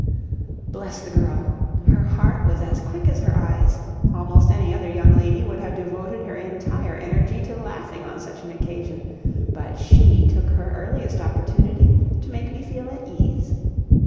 Bless the girl! Her heart was as quick as her eyes almost any other young lady would have devoted her entire energy to laughing on such an occasion, but SHE took her earliest opportunity to make me feel at ease.